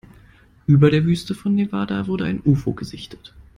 Über der Wüste von Nevada wurde ein Ufo gesichtet.